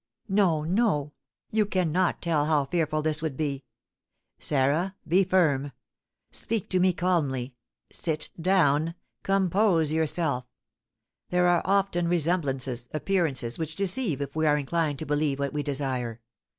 No, no; you cannot tell how fearful this would be! Sarah, be firm, speak to me calmly, sit down, compose yourself! There are often resemblances, appearances which deceive if we are inclined to believe what we desire.